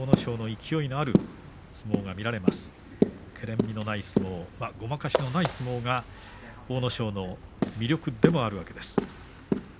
けれんみのない相撲ごまかしのない相撲が阿武咲の魅力でもあるわけです。